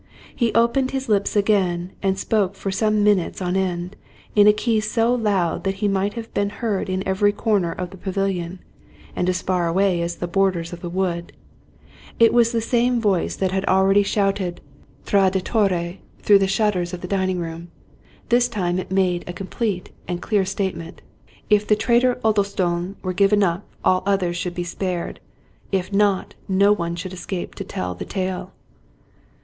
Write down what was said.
He opened his lips again, and spoke for some minutes on end, in a key so loud that he might have been heard in every corner of the pavilion, and as far away as the borders of the wood. It was the same voice that had already shouted, 202 Robert Louis Stevenson " Traditore! " through the shutters of the dining room ; this time it made a complete and clear statement. If the traitor " Oddlestone " were given up, all others should be spared ; if not, no one should escape to tell the tale.